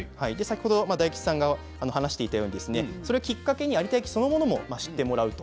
大吉さんが話していたようにこれをきっかけに有田焼そのものを知ってもらう。